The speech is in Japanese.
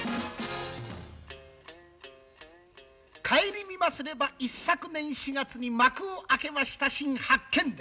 顧みますれば一昨年４月に幕を開けました「新八犬伝」。